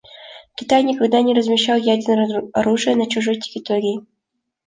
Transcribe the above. Китай никогда не размещал ядерное оружие на чужой территории.